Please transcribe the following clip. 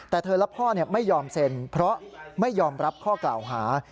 แต่เธอและพ่อไม่ยอมเซ็นเพราะไม่ยอมรับข้อกล่าวหา